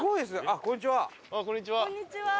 あっこんにちは。